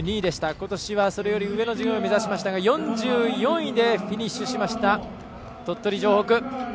ことしはそれより上の順位を目指しましたが４４位でフィニッシュしました。